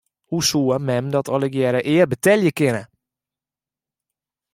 Hoe soe mem dat allegearre ea betelje kinne?